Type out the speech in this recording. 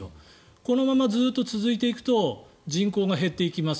このままずっと続いていくと人口が減っていきます